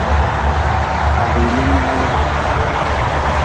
Ka rili nyaalm.